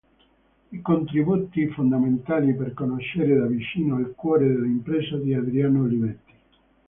I contributi fondamentali per conoscere da vicino il cuore dell'impresa di Adriano Olivetti.